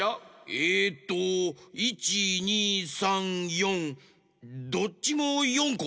えっと１２３４どっちも４こ？